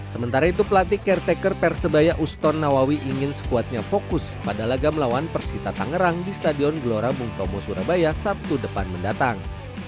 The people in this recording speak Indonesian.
sementara itu pelatih caretaker persebaya uston nawawi ingin sekuatnya fokus pada laga melawan persita tangerang di stadion gelora bung tomo surabaya sabtu depan mendatang